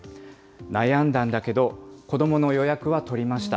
悩んだんだけど、子どもの予約は取りました。